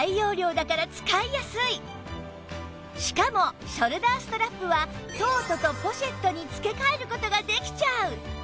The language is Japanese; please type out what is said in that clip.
しかもショルダーストラップはトートとポシェットに付け替える事ができちゃう